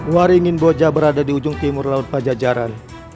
waringin boja berada di ujung timur laut pajajaran